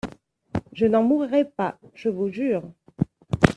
Je n'en mourrai pas, je vous jure.